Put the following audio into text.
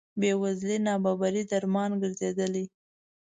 بې وزلۍ نابرابرۍ درمان ګرځېدلي.